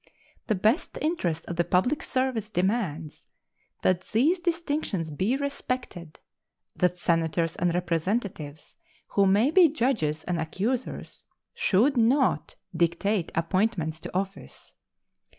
The best interest of the public service demands that these distinctions be respected; that Senators and Representatives, who may be judges and accusers, should not dictate appointments to office.